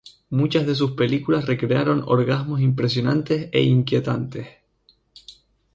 Muchas de sus películas recrean orgasmos impresionantes e inquietantes.